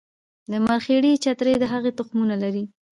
د مرخیړي چترۍ د هغې تخمونه لري